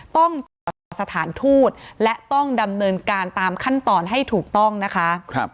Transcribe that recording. ต้องตรวจสอบสถานทูตและต้องดำเนินการตามขั้นตอนให้ถูกต้องนะคะ